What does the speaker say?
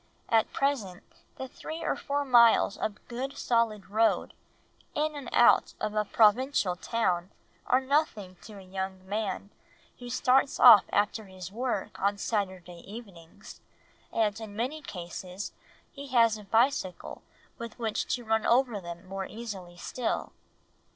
At present the three or four miles of good solid road in and out of a provincial town are nothing to a young man who starts off after his work on Saturday evenings, and in many cases he has a bicycle with which to run over them more easily still.